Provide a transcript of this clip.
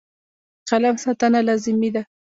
د قلم ساتنه لازمي ده.